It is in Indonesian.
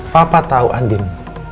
papa tau andin